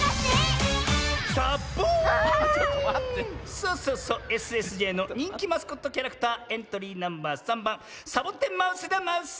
そうそうそうＳＳＪのにんきマスコットキャラクターエントリーナンバー３ばんサボテンマウスだマウス。